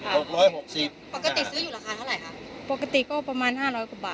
หกร้อยหกสิบปกติซื้ออยู่ราคาเท่าไหร่คะปกติก็ประมาณห้าร้อยกว่าบาท